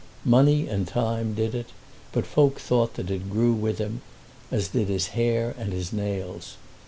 Money and time did it, but folk thought that it grew with him, as did his hair and his nails.